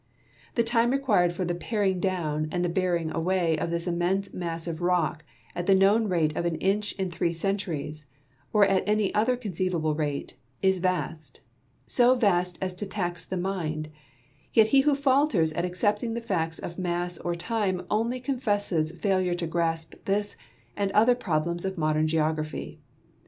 The time required for the paring down and bearing away of this immense mass of rock at the known rate of an inch in three centuries, or at any other conceivable rate, is vast, so vast as to tax the mind; yet he who falters at accepting the facts of mass or time only confesses failure to grasp this and other problems of modern geography.